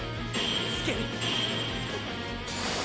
つける！